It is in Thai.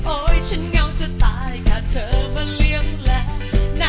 โอ้ยฉันเหงาจะตายขาดเธอมาเลี่ยงแหละ